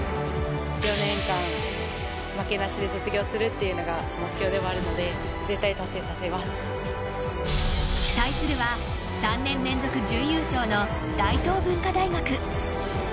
４年間負けなしで卒業するのが目標ではあるので対するは、３年連続準優勝の大東文化大学。